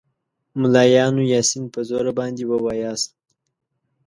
ملایانو یاسین په زوره باندې ووایاست.